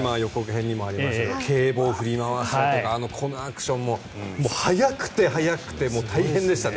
今、予告編にもありましたが警棒を振り回したりとかこのアクションも速くて速くて大変でしたね。